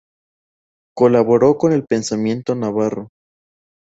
Colaboró con El Pensamiento Navarro.